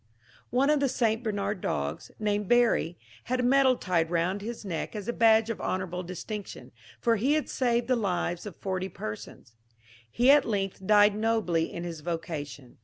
One of the St. Bernard dogs, named Barry, had a medal tied round his neck as a badge of honourable distinction, for he had saved the lives of forty persons. He at length died nobly in his vocation.